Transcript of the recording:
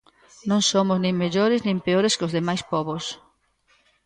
Non somos nin mellores nin peores que os demais pobos.